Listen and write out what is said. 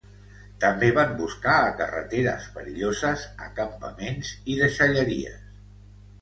També van buscar a carreteres perilloses, a campaments i deixalleries.